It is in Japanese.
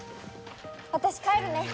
私帰るね。